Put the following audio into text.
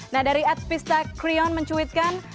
nah dari edvista creon mencuitkan